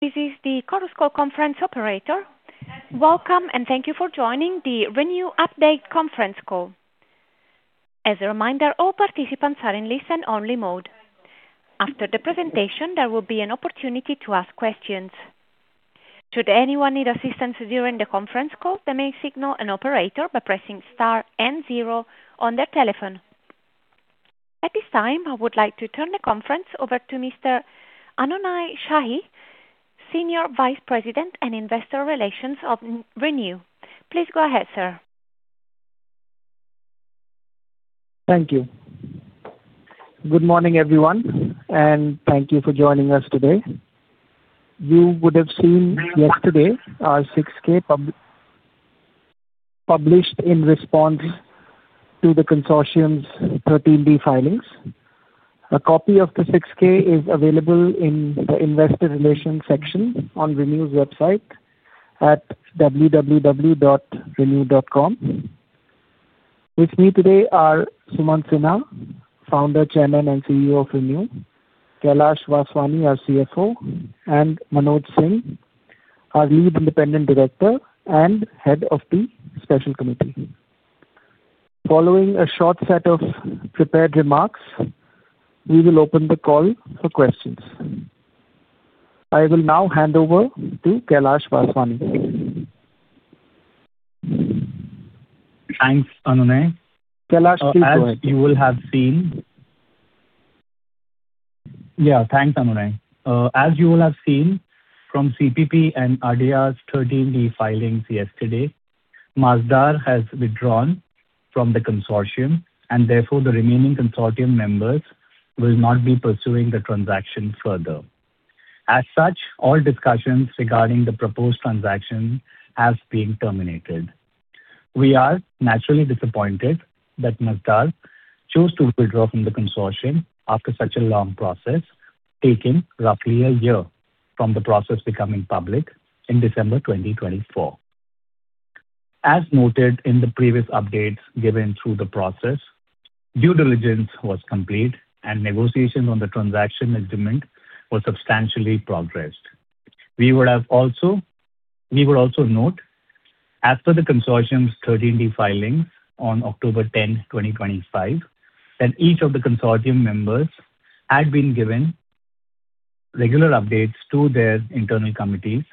This is the Chorus Call conference operator. Welcome, and thank you for joining the ReNew Update conference call. As a reminder, all participants are in listen-only mode. After the presentation, there will be an opportunity to ask questions. Should anyone need assistance during the conference call, they may signal an operator by pressing star and zero on their telephone. At this time, I would like to turn the conference over to Mr. Anunay Shahi, Senior Vice President and Investor Relations of ReNew. Please go ahead, sir. Thank you. Good morning, everyone, and thank you for joining us today. You would have seen yesterday our 6K published in response to the consortium's 13D filings. A copy of the 6K is available in the Investor Relations section on ReNew's website at www.renew.com. With me today are Sumant Sinha, Founder, Chairman and CEO of ReNew, Kailash Vaswani, our CFO, and Manoj Singh, our Lead Independent Director and Head of the Special Committee. Following a short set of prepared remarks, we will open the call for questions. I will now hand over to Kailash Vaswani. Thanks, Anunay. Kailash, you will have seen. Yeah, thanks, Anunay. As you will have seen from CPP and ADIA's 13D filings yesterday, Masdar has withdrawn from the consortium, and therefore the remaining consortium members will not be pursuing the transaction further. As such, all discussions regarding the proposed transaction have been terminated. We are naturally disappointed that Masdar chose to withdraw from the consortium after such a long process, taking roughly a year from the process becoming public in December 2024. As noted in the previous updates given through the process, due diligence was complete, and negotiations on the transaction agreement were substantially progressed. We would also note, after the consortium's 13D filings on October 10, 2025, that each of the consortium members had been given regular updates to their internal committees,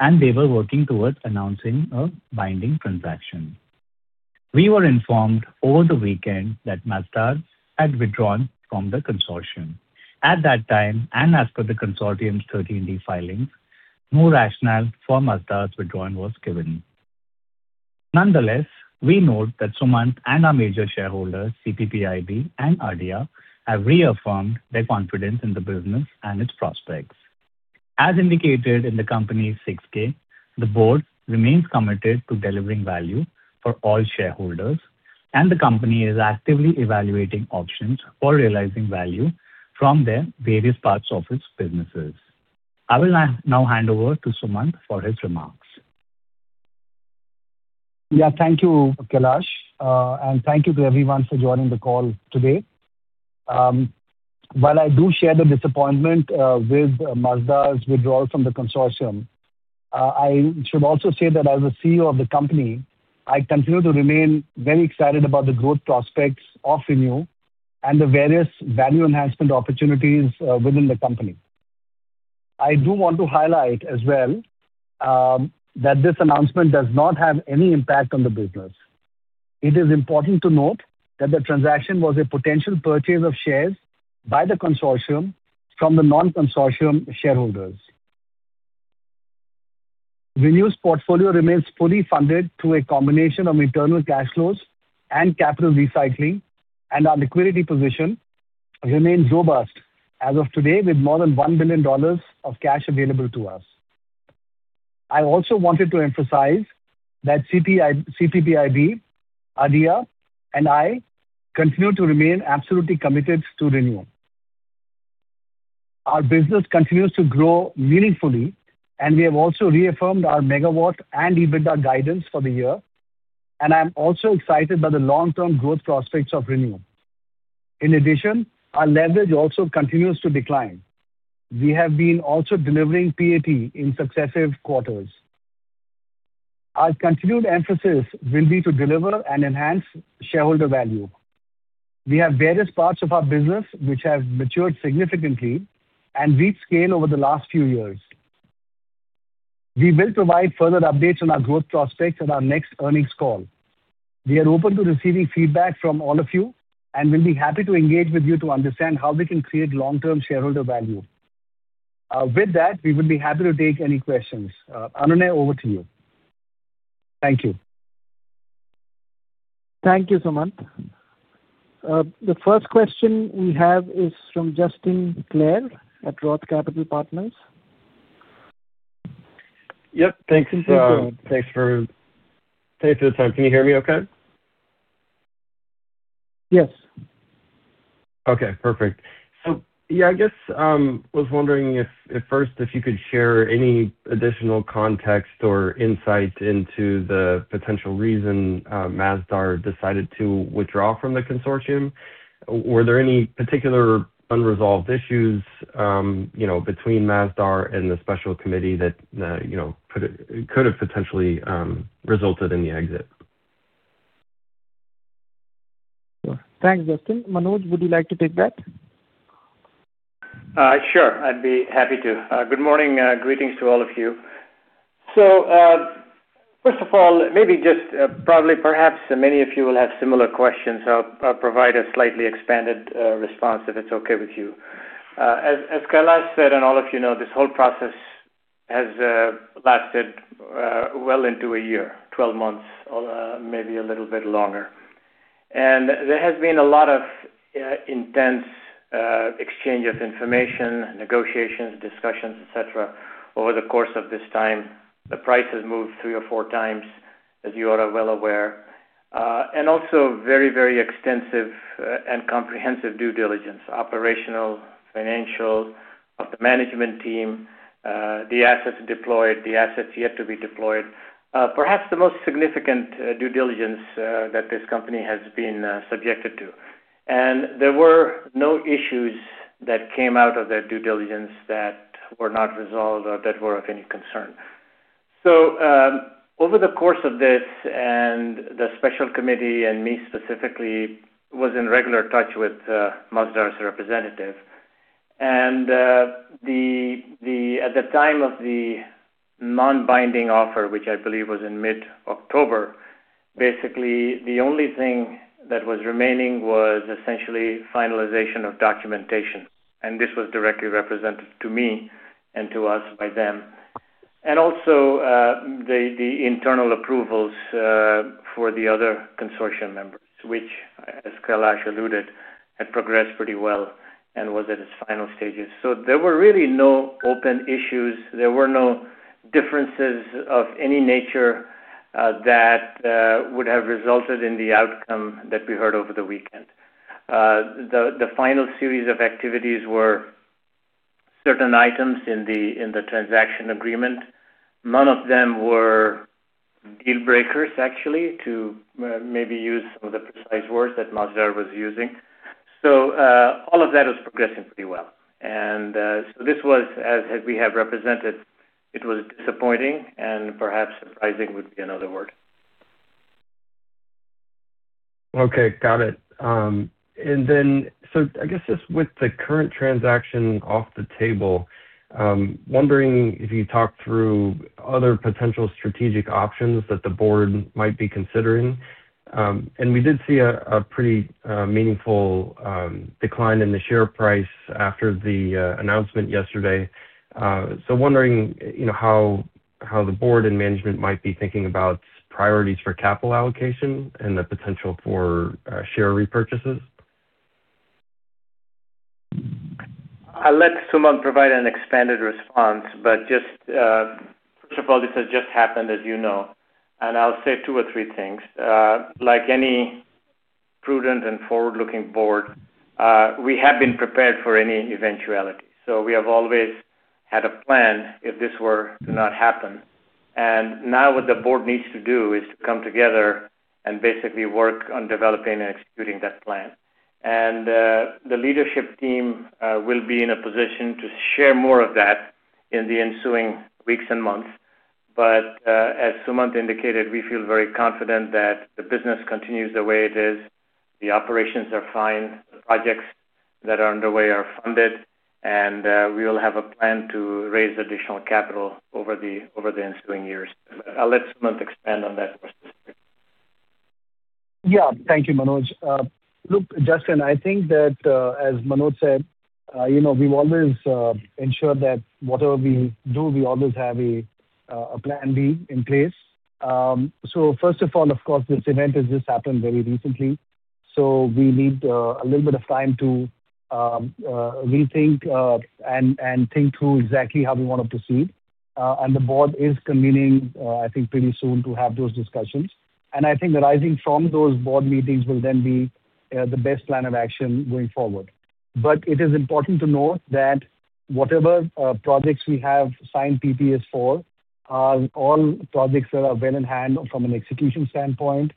and they were working towards announcing a binding transaction. We were informed over the weekend that Masdar had withdrawn from the consortium. At that time, and after the consortium's 13D filings, no rationale for Masdar's withdrawal was given. Nonetheless, we note that Sumant and our major shareholders, CPPIB and ADIA, have reaffirmed their confidence in the business and its prospects. As indicated in the company's 6K, the board remains committed to delivering value for all shareholders, and the company is actively evaluating options for realizing value from their various parts of its businesses. I will now hand over to Sumant for his remarks. Yeah, thank you, Kailash, and thank you to everyone for joining the call today. While I do share the disappointment with Masdar's withdrawal from the consortium, I should also say that as a CEO of the company, I continue to remain very excited about the growth prospects of ReNew and the various value enhancement opportunities within the company. I do want to highlight as well that this announcement does not have any impact on the business. It is important to note that the transaction was a potential purchase of shares by the consortium from the non-consortium shareholders. ReNew's portfolio remains fully funded through a combination of internal cash flows and capital recycling, and our liquidity position remains robust as of today, with more than $1 billion of cash available to us. I also wanted to emphasize that CPPIB, ADIA, and I continue to remain absolutely committed to ReNew. Our business continues to grow meaningfully, and we have also reaffirmed our megawatt and EBITDA guidance for the year, and I'm also excited by the long-term growth prospects of ReNew. In addition, our leverage also continues to decline. We have been also delivering PAT in successive quarters. Our continued emphasis will be to deliver and enhance shareholder value. We have various parts of our business which have matured significantly and reached scale over the last few years. We will provide further updates on our growth prospects at our next earnings call. We are open to receiving feedback from all of you and will be happy to engage with you to understand how we can create long-term shareholder value. With that, we would be happy to take any questions. Anunay, over to you. Thank you. Thank you, Sumant. The first question we have is from Justin Clare at Roth Capital Partners. Yep, thanks. Thanks for taking the time. Can you hear me okay? Yes. Okay, perfect. So yeah, I guess I was wondering if first, if you could share any additional context or insight into the potential reason Masdar decided to withdraw from the consortium? Were there any particular unresolved issues between Masdar and the special committee that could have potentially resulted in the exit? Thanks, Justin. Manoj, would you like to take that? Sure, I'd be happy to. Good morning. Greetings to all of you. So first of all, maybe just probably perhaps many of you will have similar questions. I'll provide a slightly expanded response if it's okay with you. As Kailash said, and all of you know, this whole process has lasted well into a year, 12 months, maybe a little bit longer, and there has been a lot of intense exchange of information, negotiations, discussions, etc., over the course of this time. The price has moved three or four times, as you are well aware, and also very, very extensive and comprehensive due diligence, operational, financial, of the management team, the assets deployed, the assets yet to be deployed, perhaps the most significant due diligence that this company has been subjected to. There were no issues that came out of that due diligence that were not resolved or that were of any concern. Over the course of this, and the special committee and me specifically was in regular touch with Masdar's representative. At the time of the non-binding offer, which I believe was in mid-October, basically the only thing that was remaining was essentially finalization of documentation. This was directly represented to me and to us by them. Also the internal approvals for the other consortium members, which, as Kailash alluded, had progressed pretty well and was at its final stages. There were really no open issues. There were no differences of any nature that would have resulted in the outcome that we heard over the weekend. The final series of activities were certain items in the transaction agreement. None of them were deal breakers, actually, to maybe use some of the precise words that Masdar was using. So all of that was progressing pretty well, and so this was, as we have represented, it was disappointing and perhaps surprising would be another word. Okay, got it. And then so I guess just with the current transaction off the table, wondering if you talked through other potential strategic options that the board might be considering? And we did see a pretty meaningful decline in the share price after the announcement yesterday. So wondering how the board and management might be thinking about priorities for capital allocation and the potential for share repurchases? I'll let Sumant provide an expanded response, but just first of all, this has just happened, as you know, and I'll say two or three things. Like any prudent and forward-looking board, we have been prepared for any eventuality. So we have always had a plan if this were to not happen. And now what the board needs to do is to come together and basically work on developing and executing that plan. And the leadership team will be in a position to share more of that in the ensuing weeks and months. But as Sumant indicated, we feel very confident that the business continues the way it is. The operations are fine. The projects that are underway are funded, and we will have a plan to raise additional capital over the ensuing years. I'll let Sumant expand on that more specifically. Yeah, thank you, Manoj. Look, Justin, I think that as Manoj said, we've always ensured that whatever we do, we always have a plan B in place. So first of all, of course, this event has just happened very recently. So we need a little bit of time to rethink and think through exactly how we want to proceed. And the board is convening, I think, pretty soon to have those discussions. And I think arising from those board meetings will then be the best plan of action going forward. But it is important to note that whatever projects we have signed PPAs for are all projects that are well in hand from an execution standpoint.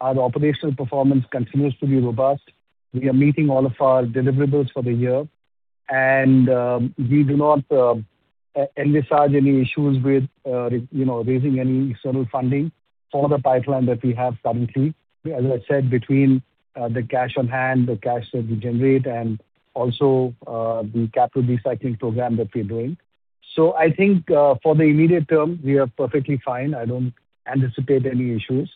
Our operational performance continues to be robust. We are meeting all of our deliverables for the year, and we do not envisage any issues with raising any external funding for the pipeline that we have currently, as I said, between the cash on hand, the cash that we generate, and also the capital recycling program that we're doing, so I think for the immediate term, we are perfectly fine. I don't anticipate any issues.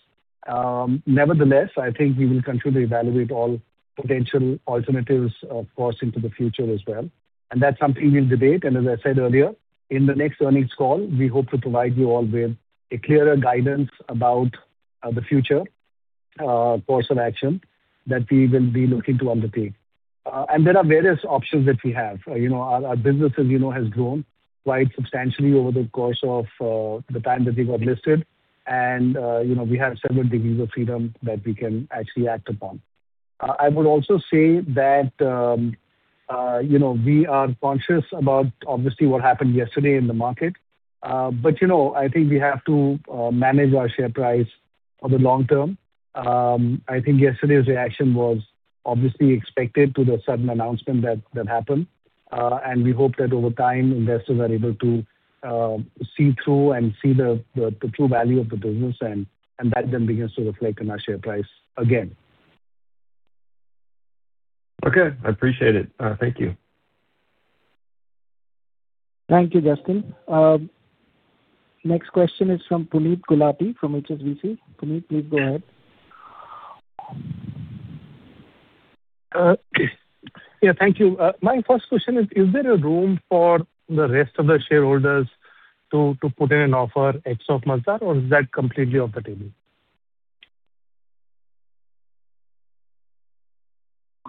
Nevertheless, I think we will continue to evaluate all potential alternatives, of course, into the future as well, and that's something we'll debate. And as I said earlier, in the next earnings call, we hope to provide you all with clearer guidance about the future course of action that we will be looking to undertake, and there are various options that we have. Our business has grown quite substantially over the course of the time that we got listed, and we have several degrees of freedom that we can actually act upon. I would also say that we are conscious about, obviously, what happened yesterday in the market. But I think we have to manage our share price for the long term. I think yesterday's reaction was obviously expected to the sudden announcement that happened, and we hope that over time, investors are able to see through and see the true value of the business, and that then begins to reflect in our share price again. Okay, I appreciate it. Thank you. Thank you, Justin. Next question is from Puneet Gulati from HSBC. Puneet, please go ahead. Yeah, thank you. My first question is, is there a rule for the rest of the shareholders to put in an offer ex of Masdar, or is that completely off the table?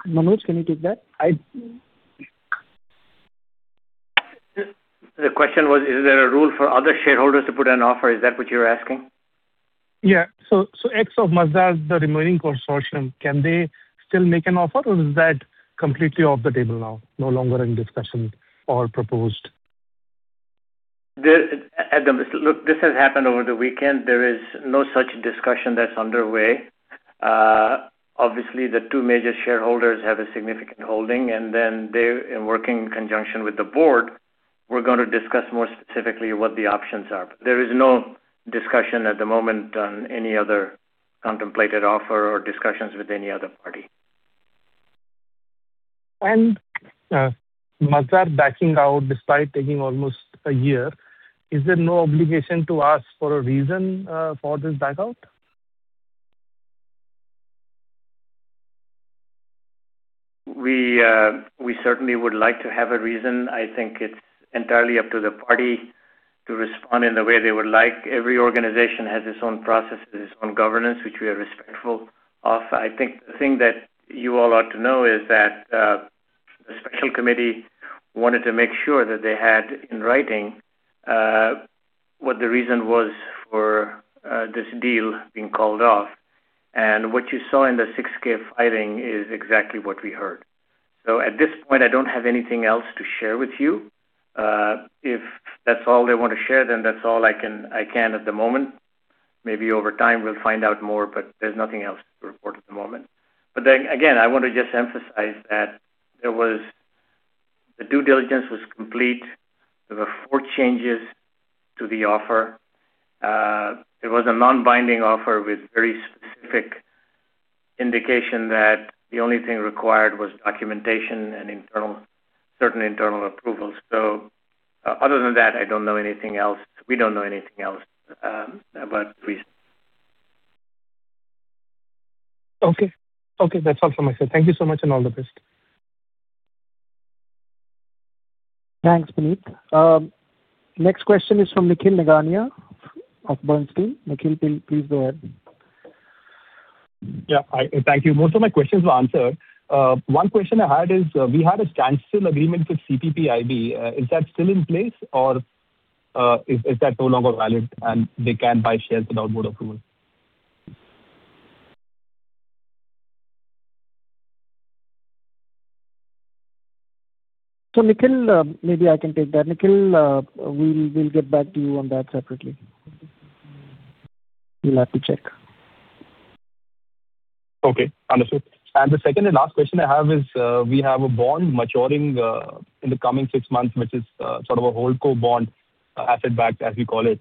Manoj, can you take that? The question was, is there a rule for other shareholders to put in an offer? Is that what you're asking? Yeah. So excluding Masdar, the remaining consortium, can they still make an offer, or is that completely off the table now, no longer in discussion or proposed? Look, this has happened over the weekend. There is no such discussion that's underway. Obviously, the two major shareholders have a significant holding, and then they're working in conjunction with the board. We're going to discuss more specifically what the options are. There is no discussion at the moment on any other contemplated offer or discussions with any other party. Masdar backing out despite taking almost a year, is there no obligation to ask for a reason for this back out? We certainly would like to have a reason. I think it's entirely up to the party to respond in the way they would like. Every organization has its own processes, its own governance, which we are respectful of. I think the thing that you all ought to know is that the Special Committee wanted to make sure that they had in writing what the reason was for this deal being called off. And what you saw in the 6K filing is exactly what we heard. So at this point, I don't have anything else to share with you. If that's all they want to share, then that's all I can at the moment. Maybe over time, we'll find out more, but there's nothing else to report at the moment. But then again, I want to just emphasize that the due diligence was complete. There were four changes to the offer. It was a non-binding offer with very specific indication that the only thing required was documentation and certain internal approvals. So other than that, I don't know anything else. We don't know anything else about the reason. Okay. Okay, that's all from my side. Thank you so much and all the best. Thanks, Puneet. Next question is from Nikhil Ngania of Bernstein. Nikhil, please go ahead. Yeah, thank you. Most of my questions were answered. One question I had is, we had a standstill agreement with CPPIB. Is that still in place, or is that no longer valid, and they can buy shares without board approval? So Nikhil, maybe I can take that. Nikhil, we'll get back to you on that separately. We'll have to check. Okay, understood. And the second and last question I have is, we have a bond maturing in the coming six months, which is sort of a hold-co bond, asset-backed, as we call it.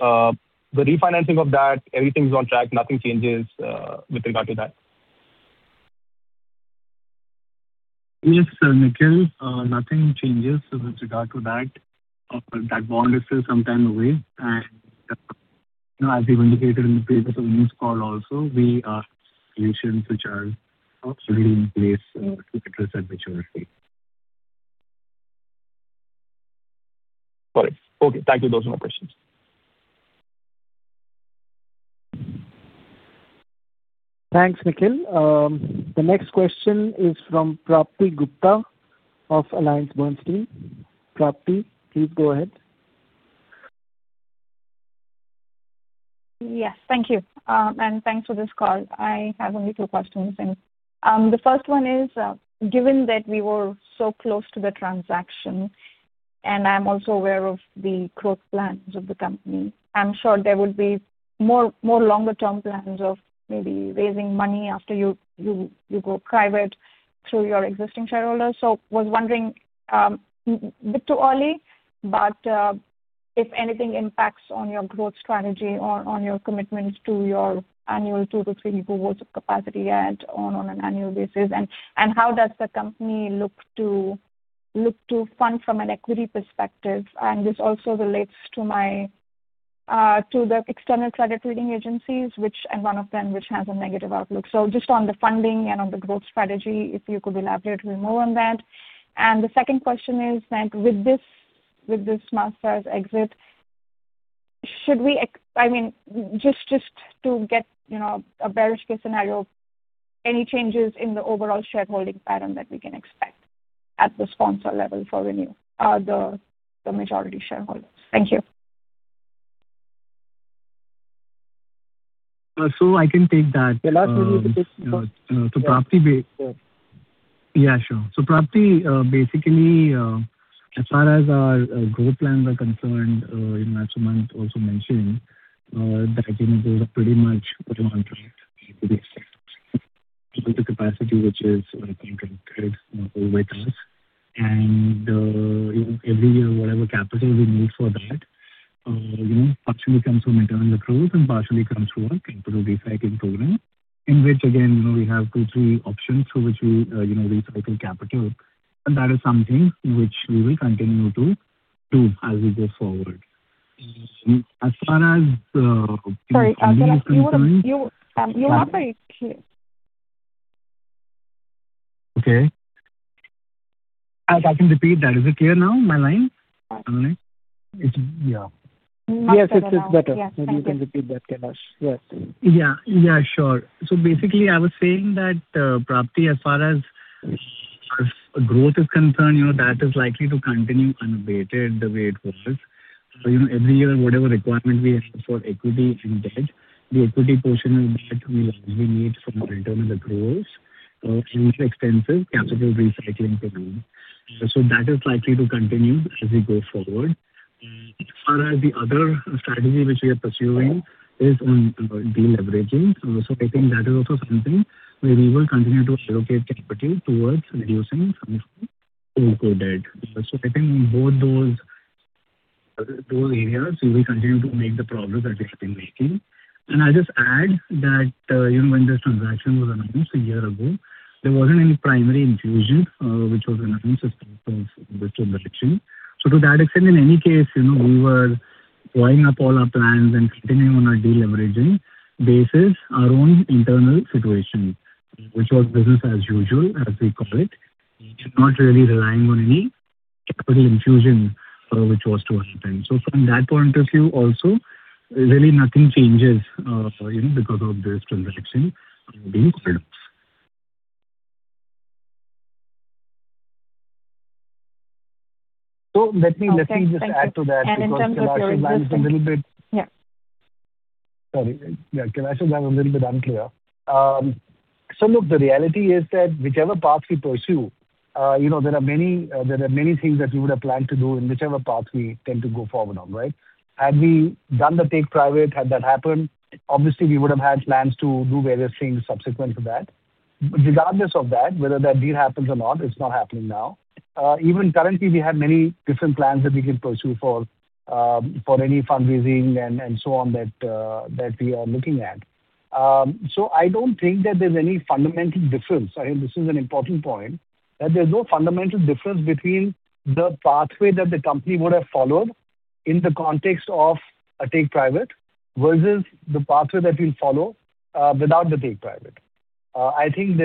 The refinancing of that, everything's on track. Nothing changes with regard to that. Yes, Nikhil, nothing changes with regard to that. That bond is still some time away. As we've indicated in the previous earnings call also, we have solutions which are already in place to address that maturity. Got it. Okay, thank you. Those are my questions. Thanks, Nikhil. The next question is from Prapti Gupta of AllianceBernstein. Prapti, please go ahead. Yes, thank you. And thanks for this call. I have only two questions. The first one is, given that we were so close to the transaction, and I'm also aware of the growth plans of the company, I'm sure there would be more longer-term plans of maybe raising money after you go private through your existing shareholders. So I was wondering, a bit too early, but if anything impacts on your growth strategy or on your commitment to your annual 2 to 3 GW capacity on an annual basis, and how does the company look to fund from an equity perspective? And this also relates to the external credit rating agencies, and one of them which has a negative outlook. So just on the funding and on the growth strategy, if you could elaborate a bit more on that? The second question is that with this Masdar's exit, should we, I mean, just to get a bearish case scenario, any changes in the overall shareholding pattern that we can expect at the sponsor level for ReNew or the majority shareholders? Thank you. So I can take that. Yeah, last one is just. To Prapti? Yeah, sure. So Prapti, basically, as far as our growth plans are concerned, as Sumant also mentioned, that those are pretty much put on track with the capacity, which is, I think, a good goal with us. And every year, whatever capital we need for that, partially comes from internal growth and partially comes from our capital recycling program, in which, again, we have two, three options for which we recycle capital. And that is something which we will continue to do as we go forward. As far as. Sorry, you were sorry? You're not very clear. Okay. I can repeat. Is it clear now on my line? Yeah. Yes, it's better. Maybe you can repeat that, Kailash. Yes. Yeah, yeah, sure. So basically, I was saying that Prapti, as far as growth is concerned, that is likely to continue unabated the way it was. So every year, whatever requirement we have for equity and debt, the equity portion of debt we likely need for our internal growth and extensive capital recycling plan. So that is likely to continue as we go forward. As far as the other strategy which we are pursuing is on deleveraging. So I think that is also something where we will continue to allocate equity towards reducing some of the old core debt. So I think in both those areas, we will continue to make the progress that we have been making. And I'll just add that when this transaction was announced a year ago, there wasn't any primary infusion which was announced as part of this transaction. So to that extent, in any case, we were drawing up all our plans and continuing on our deleveraging basis our own internal situation, which was business as usual, as we call it. We are not really relying on any capital infusion which was to happen. So from that point of view, also, really nothing changes because of this transaction being part of us. So let me just add to that because Kailash has gone a little bit. Yeah. Sorry. Kailash has gone a little bit unclear, so look, the reality is that whichever path we pursue, there are many things that we would have planned to do in whichever path we tend to go forward on, right? Had we done the take private, had that happened, obviously, we would have had plans to do various things subsequent to that, but regardless of that, whether that deal happens or not, it's not happening now, even currently, we have many different plans that we can pursue for any fundraising and so on that we are looking at, so I don't think that there's any fundamental difference. I think this is an important point, that there's no fundamental difference between the pathway that the company would have followed in the context of a take private versus the pathway that we'll follow without the take private. I think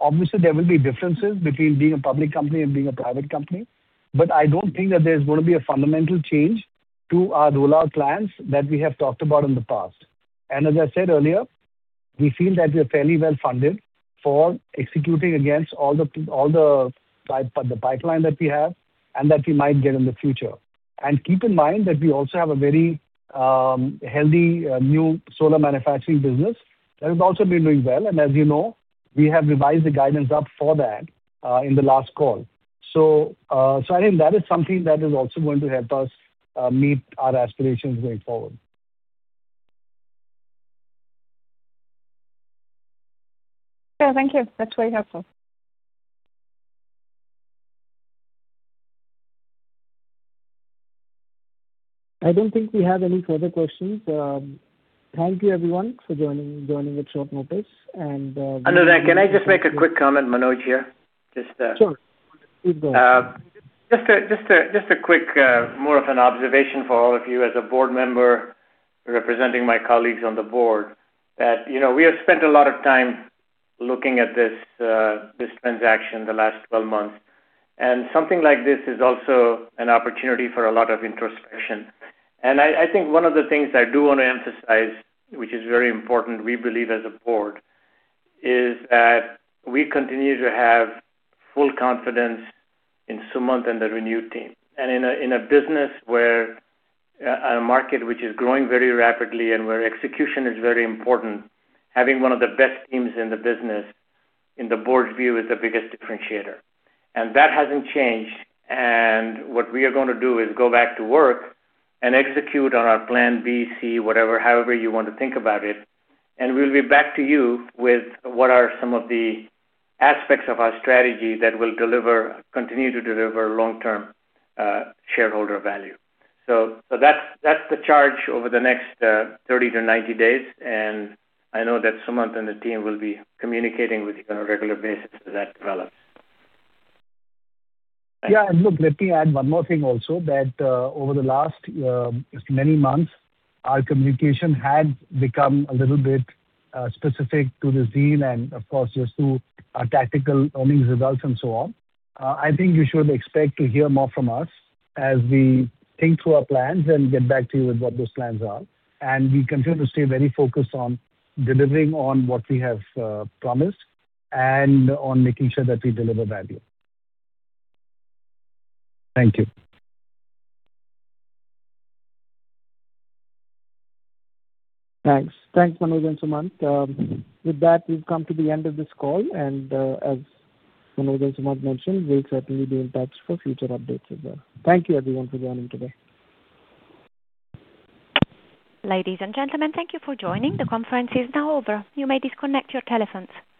obviously, there will be differences between being a public company and being a private company. But I don't think that there's going to be a fundamental change to our rollout plans that we have talked about in the past. And as I said earlier, we feel that we are fairly well funded for executing against all the pipeline that we have and that we might get in the future. And keep in mind that we also have a very healthy new solar manufacturing business that has also been doing well. And as you know, we have revised the guidance up for that in the last call. So I think that is something that is also going to help us meet our aspirations going forward. Yeah, thank you. That's very helpful. I don't think we have any further questions. Thank you, everyone, for joining with short notice. Under that, can I just make a quick comment, Manoj, here? Just. Sure. Just a quick, more of an observation for all of you as a board member representing my colleagues on the board, that we have spent a lot of time looking at this transaction the last 12 months. And something like this is also an opportunity for a lot of introspection. And I think one of the things I do want to emphasize, which is very important, we believe as a board, is that we continue to have full confidence in Sumant and the ReNew team. And in a business where a market which is growing very rapidly and where execution is very important, having one of the best teams in the business, in the board's view, is the biggest differentiator. And that hasn't changed. And what we are going to do is go back to work and execute on our plan B, C, whatever, however you want to think about it. And we'll be back to you with what are some of the aspects of our strategy that will continue to deliver long-term shareholder value. So that's the charge over the next 30 to 90 days. And I know that Sumant and the team will be communicating with you on a regular basis as that develops. Yeah. And look, let me add one more thing also, that over the last many months, our communication had become a little bit specific to the scene, and of course, just to our tactical earnings results and so on. I think you should expect to hear more from us as we think through our plans and get back to you with what those plans are. And we continue to stay very focused on delivering on what we have promised and on making sure that we deliver value. Thank you. Thanks. Thanks, Manoj and Sumant. With that, we've come to the end of this call. And as Manoj and Sumant mentioned, we'll certainly be in touch for future updates as well. Thank you, everyone, for joining today. Ladies and gentlemen, thank you for joining. The conference is now over. You may disconnect your telephones.